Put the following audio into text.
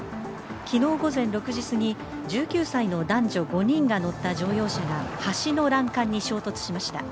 昨日午前６時すぎ、１９歳の男女５人が乗った乗用車が橋の欄干に衝突しました。